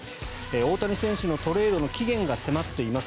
大谷選手のトレードの期限が迫っています。